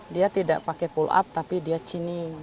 dia tidak pakai pull up tapi dia chinning